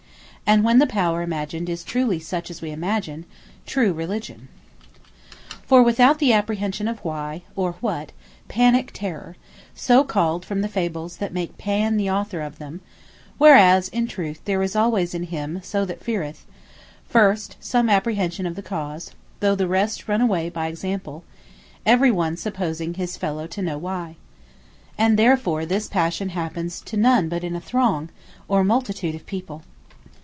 And when the power imagined is truly such as we imagine, TRUE RELIGION. Panique Terrour Feare, without the apprehension of why, or what, PANIQUE TERROR; called so from the fables that make Pan the author of them; whereas in truth there is always in him that so feareth, first, some apprehension of the cause, though the rest run away by example; every one supposing his fellow to know why. And therefore this Passion happens to none but in a throng, or multitude of people.